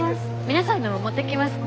皆さんのも持ってきます。